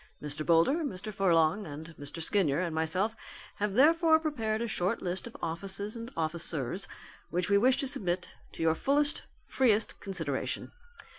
Mr. Boulder, Mr. Furlong and Mr. Skinyer and myself have therefore prepared a short list of offices and officers which we wish to submit to your fullest, freest consideration.